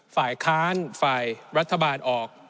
ฝ่ายค้านฝ่ายรัฐบาลออก